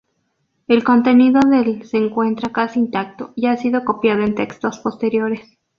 El contenido del se encuentra casi intacto, y ha sido copiado en textos posteriores.